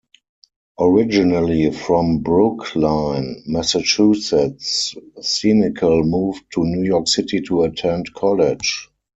Originally from Brookline, Massachusetts, Senecal moved to New York City to attend college.